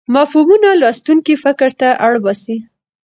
مفهومونه لوستونکی فکر ته اړ باسي.